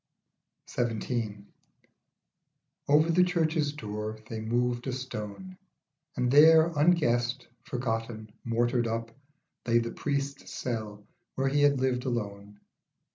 XVII. OVER the church's door they moved a stone, And there, unguessed, forgotten, mortared up, Lay the priest's cell where he had lived alone.